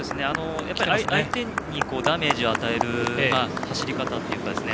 相手にダメージを与える走り方というかですね。